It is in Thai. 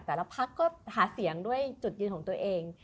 พักก็หาเสียงด้วยจุดยืนของตัวเอง